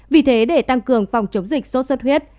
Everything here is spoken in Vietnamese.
vì thế để tăng cường phòng chống dịch sốt xuất huyết